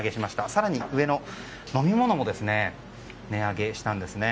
更に飲み物も値上げしたんですね。